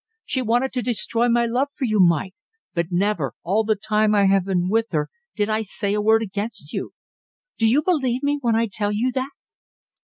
She wanted to destroy my love for you, Mike, but never, all the time I have been with her, did I say a word against you. Do you believe me when I tell you that?"